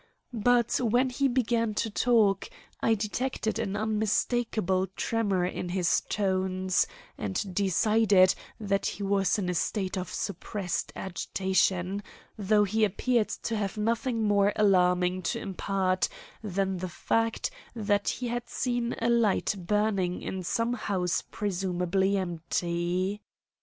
But when he began to talk I detected an unmistakable tremor in his tones, and decided that he was in a state of suppressed agitation; though he appeared to have nothing more alarming to impart than the fact that he had seen a light burning in some house presumably empty.